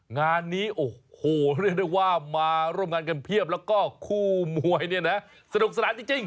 งานนี้โอ้โหเรียกได้ว่ามาร่วมงานกันเพียบแล้วก็คู่มวยเนี่ยนะสนุกสนานจริง